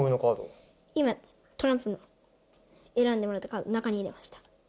今、トランプ、選んでもらったカード、中に入れました。